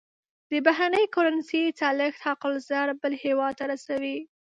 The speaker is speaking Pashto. د بهرنۍ کرنسۍ چلښت حق الضرب بل هېواد ته رسوي.